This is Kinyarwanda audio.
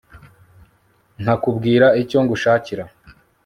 nkakubwira icyo ngushakira